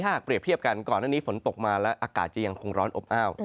ถ้าหากเปรียบเทียบกันก่อนหน้านี้ฝนตกมาแล้วอากาศจะยังคงร้อนอบอ้าว